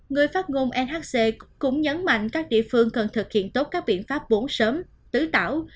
người phát ngôn nhc cũng nhấn mạnh các địa phương cần thực hiện tốt các biện pháp bốn sớm tứ tảo